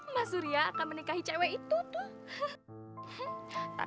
masurya akan menikahi cewek itu tuh